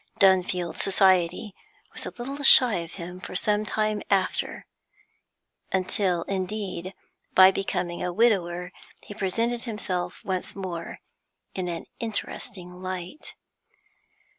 Dunfield society was a little shy of him for some time after, until, indeed, by becoming a widower, he presented himself once more in an interesting light.